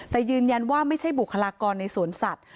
แต่ยืนยันว่าไม่ใช่บุคลากรในสวนสัตว